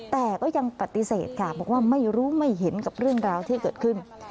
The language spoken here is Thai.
แต่ก็ยังปฏิเสธค่ะบอกว่าไม่รู้ไม่เห็นกับเรื่องราวที่เกิดขึ้น